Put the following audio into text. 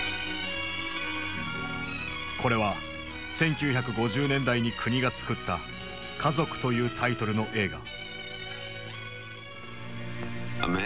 これは１９５０年代に国が作った「家族」というタイトルの映画。